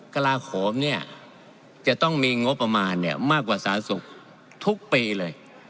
กระลาโขมเนี่ยจะต้องมีงบประมาณมากกว่าสาธารณสุขทุกปีเลย